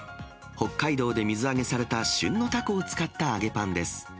北海道で水揚げされた旬のたこを使った揚げパンです。